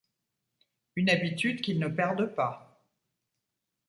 Une habitude qu'ils ne perdent pas.